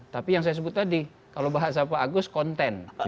tapi yang saya sebut tadi kalau bahasa pak agus konten